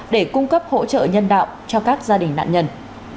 để cung cấp hỗ trợ nhân đạo cho các gia đình nạn nhân